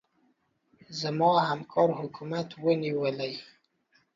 زما همکار حکومت ونيولې.